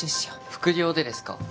副業でですか？